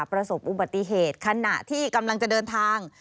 ประสบอุบัติเหตุขณะที่กำลังจะเดินทาง